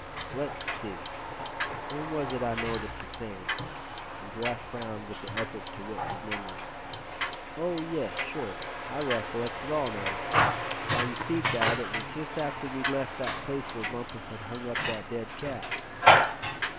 "Let's see, when was it I noticed the same?" and Giraffe frowned with the effort to whip his memory. "Oh! yes, sure, I recollect it all now. Why, you see Thad, it was just after we'd left that place where Bumpus had hung up that dead cat."